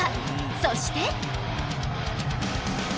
そして